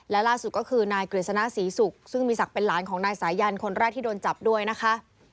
และล่าสุดก็คือนายกฤษณะศรีศุกร์ซึ่งมีศักดิ์เป็นหลานของนายสายันคนแรกที่โดนจับด้วยนะคะ